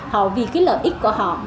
họ vì cái lợi ích của họ